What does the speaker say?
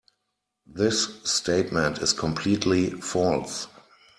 This statement is completely false.